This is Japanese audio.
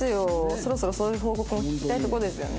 そろそろそういう報告を聞きたいとこですよね。